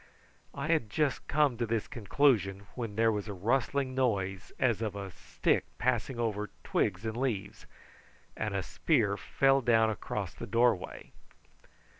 I had just come to this conclusion when there was a rustling noise as of a stick passing over twigs and leaves, and a spear fell down across the doorway.